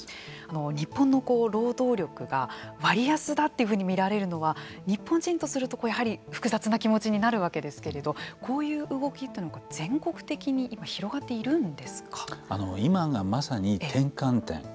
日本の労働力が割安だというふうに見られるのは日本人とすると複雑な気持ちになるわけですけれどこういう動きというのは全国的に今がまさに転換点。